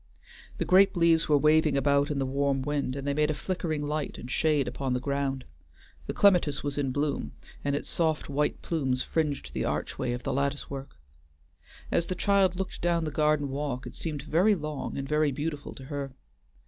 The grape leaves were waving about in the warm wind, and they made a flickering light and shade upon the ground. The clematis was in bloom, and its soft white plumes fringed the archway of the lattice work. As the child looked down the garden walk it seemed very long and very beautiful to her.